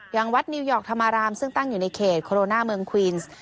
อย่างวัดนิวยอร์กธรรมารามซึ่งตั้งอยู่ในเขตโคโรนาเมืองควีนส์